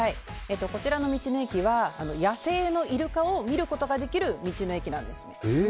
こちらの道の駅は野生のイルカを見ることができる道の駅なんです。